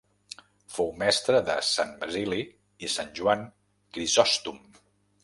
Fou mestre de Sant Basili i Sant Joan Crisòstom.